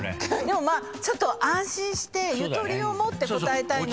もまあちょっと安心してゆとりを持って答えたいなと。